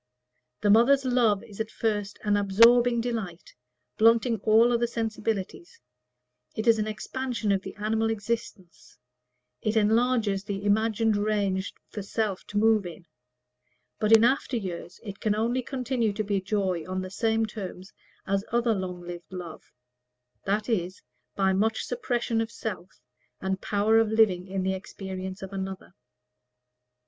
The mother's love is at first an absorbing delight, blunting all other sensibilities; it is an expansion of the animal existence; it enlarges the imagined range for self to move in: but in after years it can only continue to be joy on the same terms as other long lived love that is, by much suppression of self, and power of living in the experience of another.